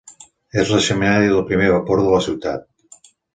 És la xemeneia del primer vapor de la ciutat.